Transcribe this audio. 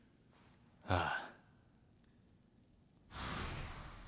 ああ。